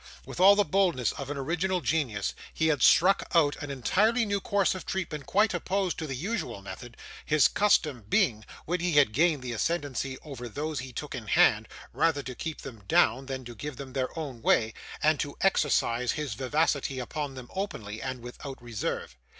With all the boldness of an original genius, he had struck out an entirely new course of treatment quite opposed to the usual method; his custom being, when he had gained the ascendancy over those he took in hand, rather to keep them down than to give them their own way; and to exercise his vivacity upon them openly, and without reserve.